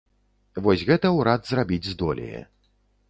Вось гэта ўрад зрабіць здолее.